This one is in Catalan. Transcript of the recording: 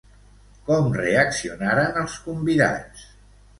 Com reaccionaren els convidats?